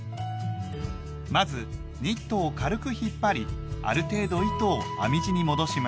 まずニットを軽く引っ張りある程度糸を編み地に戻します。